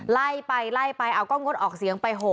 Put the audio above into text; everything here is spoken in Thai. ไล่ไปเอากล้องกดออกเสียงไป๖